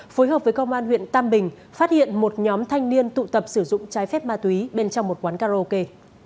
phối hợp với công an huyện tam bình phát hiện một nhóm thanh niên tụ tập sử dụng trái phép ma túy bên trong một quán karaoke